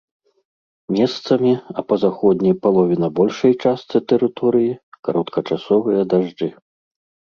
Месцамі, а па заходняй палове на большай частцы тэрыторыі, кароткачасовыя дажджы.